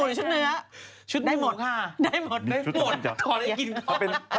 เลือกชุดหมูหรือชุดเนื้อ